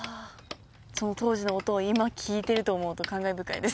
その当時の音を今聞いてると思うと感慨深いです